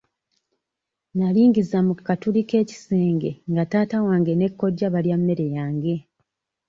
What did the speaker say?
Nalingiza mu katuli k'ekisenge nga taata wange ne kojja balya emmere yange.